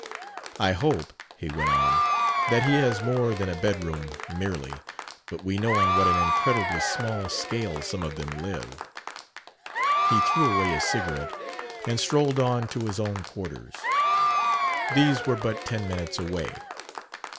I hope," he went on, "that he has more than a bedroom merely. But we know on what an incredibly small scale some of them live." He threw away his cigarette and strolled on to his own quarters. These were but ten minutes away.